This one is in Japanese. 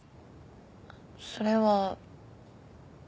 それは。